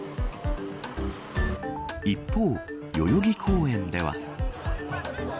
一方、代々木公園では。